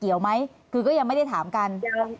ยังไม่ได้ถามกัน